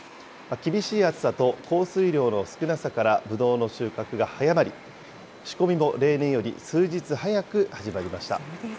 厳しい暑さと降水量の少なさから、ぶどうの収穫が早まり、仕込みも例年より数日早く始まりました。